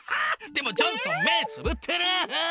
でもジョンソン目つぶってる！